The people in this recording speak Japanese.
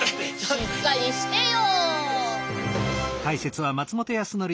しっかりしてよ。